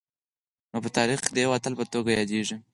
نو په تاریخ کي د یوه اتل په توګه یادیږي